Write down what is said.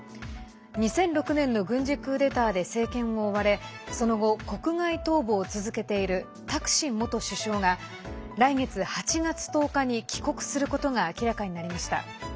２００６年の軍事クーデターで政権を追われその後、国外逃亡を続けているタクシン元首相が来月８月１０日に帰国することが明らかになりました。